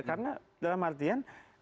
karena dalam artian